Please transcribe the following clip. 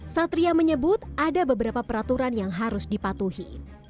satria menyebut ada beberapa peraturan yang harus dipatuhi